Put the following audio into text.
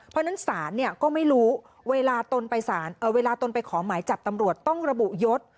เพราะฉะนั้นศาลเนี่ยก็ไม่รู้เวลาตนไปสารเวลาตนไปขอหมายจับตำรวจต้องระบุยศ